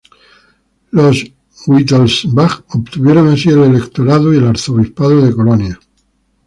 Los Wittelsbach obtuvieron así el electorado y el arzobispado de Colonia.